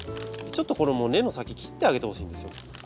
ちょっとこれもう根の先切ってあげてほしいんですよ。